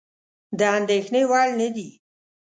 د اندېښنې وړ نه دي.